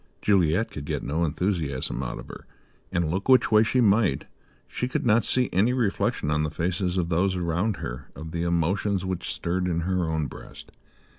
Juliet could get no enthusiasm out of her; and, look which way she might, she could not see any reflection on the faces of those around her of the emotions which stirred in her own breast.